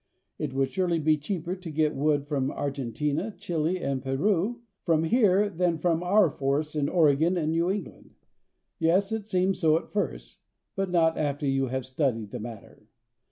It would surely be cheaper to get wood for Argentina, Chile, and Peru from here than from our forests in Oregon and New England. Yes, it seems so at first, but not after you have studied the matter.